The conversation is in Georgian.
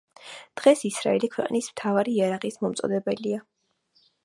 დღეს ისრაელი ქვეყნის მთავარი იარაღის მიმწოდებელია.